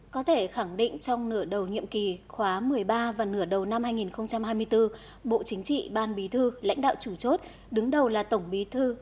có thể khẳng định trong nửa đầu nhiệm kỳ khóa một mươi ba và nửa đầu năm hai nghìn hai mươi bốn bộ chính trị ban bí thư lãnh đạo chủ chốt đứng đầu là tổng bí thư